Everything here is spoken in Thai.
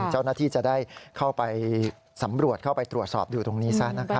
เจ้าหน้าที่จะได้เข้าไปสำรวจเข้าไปตรวจสอบดูตรงนี้ซะนะครับ